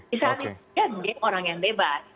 misalnya dia orang yang bebas